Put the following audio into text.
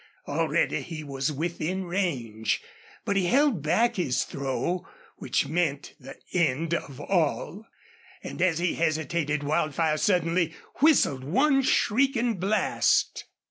Already he was within range. But he held back his throw which meant the end of all. And as he hesitated Wildfire suddenly whistled one shrieking blast.